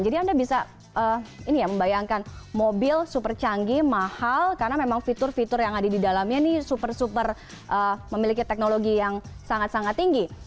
jadi anda bisa ini ya membayangkan mobil super canggih mahal karena memang fitur fitur yang ada di dalamnya ini super super memiliki teknologi yang sangat sangat tinggi